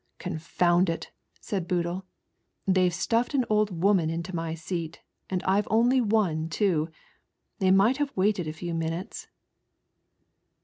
"Confound it," said Boodle, "they've stuffed an old woman into my seat, and I've only one, too ; they might have waited a few minutes."